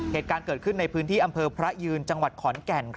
เหตุการณ์เกิดขึ้นในพื้นที่อำเภอพระยืนจังหวัดขอนแก่น